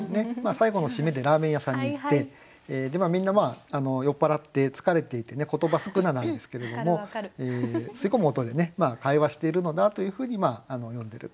最後の締めでラーメン屋さんに行ってみんな酔っ払って疲れていてね言葉少ななんですけれども吸い込む音で会話しているのだというふうに詠んでると。